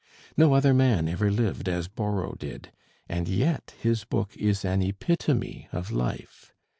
No other man ever lived as Borrow did, and yet his book is an epitome of life.